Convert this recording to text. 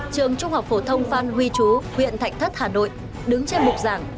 trường trung học phổ thông phan huy chú huyện thạnh thất hà nội đứng trên mục giảng